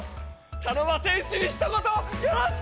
茶の間戦士にひと言よろしく！